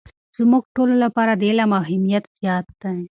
زموږ ټولو لپاره د علم اهمیت زیات دی.